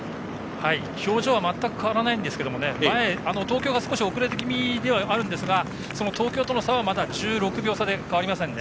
表情は全く変わらないんですけども東京が少し遅れ気味ではあるんですがその東京との差はまだ１６秒で変わりませんね。